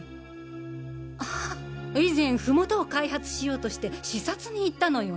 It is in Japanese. ああ以前麓を開発しようとして視察に行ったのよ